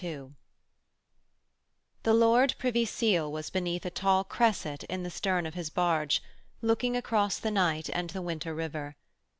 II The Lord Privy Seal was beneath a tall cresset in the stern of his barge, looking across the night and the winter river.